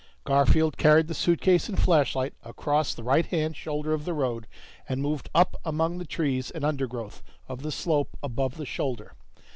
Garfield carried the suitcase and flashlight across the right hand shoulder of the road and moved up among the trees and undergrowth of the slope above the shoulder.